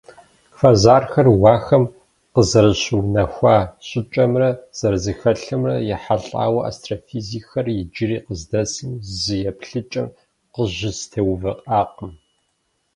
Квазархэр уахэм къызэрыщыунэхуа щIыкIэмрэ зэрызэхэлъымрэ ехьэлIауэ астрофизикхэр иджыри къыздэсым зы еплъыкIэм къыщызэтеувыIакъым.